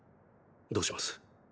どうします？